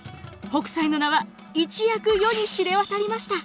北斎の名は一躍世に知れ渡りました。